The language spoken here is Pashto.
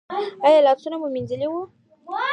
ایا لاسونه مو مینځلي وو؟